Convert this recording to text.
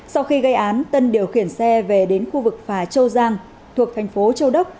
sau khi gây án tân điều khiển xe về đến khu vực phà châu giang thuộc thành phố châu đốc